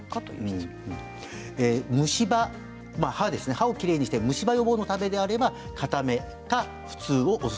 歯をきれいにして虫歯予防のためであれば、かためです。